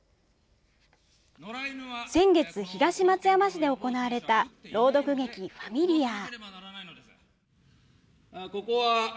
先月、東松山市で行われた朗読劇「ファミリアー」。